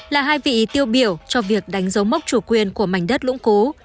là hai vị tiêu biểu cho việc đánh dấu mốc chủ quyền của mảnh đất lũng cú